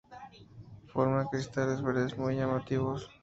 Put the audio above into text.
Forma cristales verdes muy llamativos.